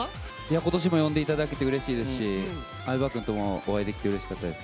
今年も呼んでいただけてうれしいですし相葉くんともお会いできてうれしかったです。